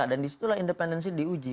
dan disitulah independensi diuji